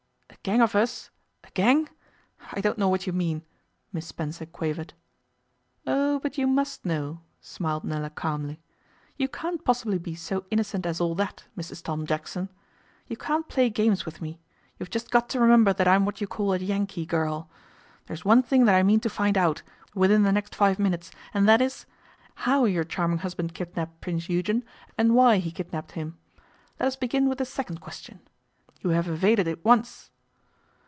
'A gang of us a gang! I don't know what you mean,' Miss Spencer quavered. 'Oh, but you must know,' smiled Nella calmly. 'You can't possibly be so innocent as all that, Mrs Tom Jackson. You can't play games with me. You've just got to remember that I'm what you call a Yankee girl. There's one thing that I mean to find out, within the next five minutes, and that is how your charming husband kidnapped Prince Eugen, and why he kidnapped him. Let us begin with the second question. You have evaded it once.